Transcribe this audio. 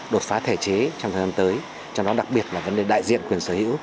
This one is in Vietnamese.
đột phá thể chế trong thời gian tới cho nó đặc biệt là vấn đề đại diện quyền sở hữu